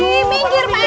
minggir pak rt